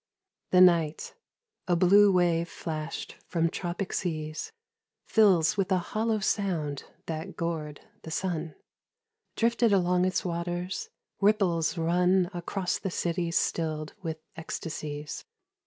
THE Night, a blue wave flashed from tropic seas, Fills with a hollow sound that gourd the Sun — Drifted along its waters : ripples run Across the cities stilled with ecstasies.